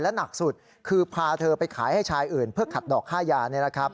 และหนักสุดคือพาเธอไปขายให้ชายอื่นเพื่อขัดดอกฆ่ายาน